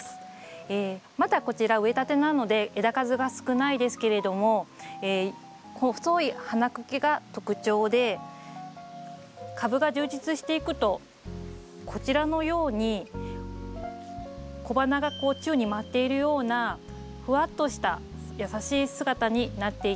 まだこちら植えたてなので枝数が少ないですけれどもこの細い花茎が特徴で株が充実していくとこちらのように小花がこう宙に舞っているようなふわっとした優しい姿になっていきます。